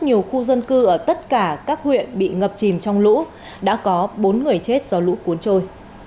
nhiều khu dân cư ở tất cả các huyện bị ngập chìm trong lũ đã có bốn người chết do lũ cuốn trôi